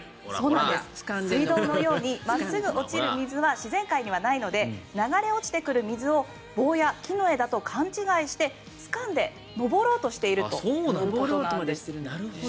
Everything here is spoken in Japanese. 水道のように真っすぐ落ちる水は自然界にはないので流れ落ちてくる水を棒や木の枝と勘違いしてつかんで登ろうとしているということです。